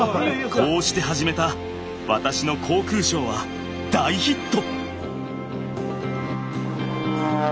こうして始めた私の航空ショーは大ヒット。